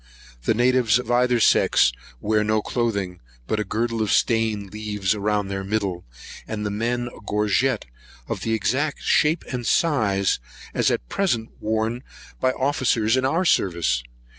The natives of either sex wear no cloathing, but a girdle of stained leaves round their middle, and the men a gorget, of the exact shape and size as at present wore by officers in our service.